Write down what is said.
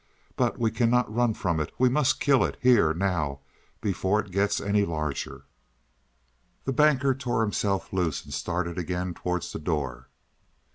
But we cannot run from it. We must kill it here, now, before it gets any larger." The Banker tore himself loose and started again towards the door.